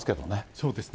そうですね。